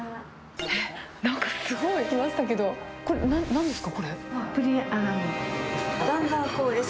えっ、なんかすごいの来ましたけど。これ、なんですか？